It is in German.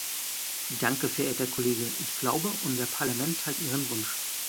Danke, verehrter Kollege, ich glaube, unser Parlament teilt Ihren Wunsch.